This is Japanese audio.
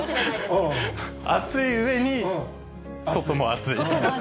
熱い上に外も暑い。